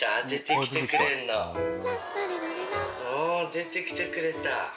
出てきてくれた。